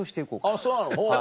あっそうなの。